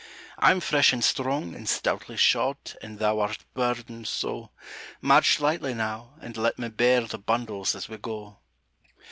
"I'm fresh and strong, and stoutly shod, And thou art burdened so; March lightly now, and let me bear The bundles as we go."